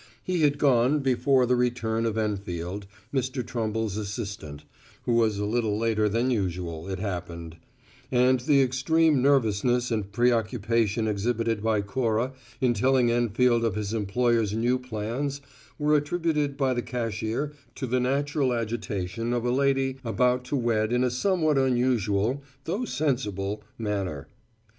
He had gone before the return of Enfield, Mr. Trumble's assistant, who was a little later than usual, it happened; and the extreme nervousness and preoccupation exhibited by Cora in telling Enfield of his employer's new plans were attributed by the cashier to the natural agitation of a lady about to wed in a somewhat unusual (though sensible) manner.